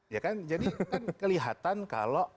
jadi kan kelihatan kalau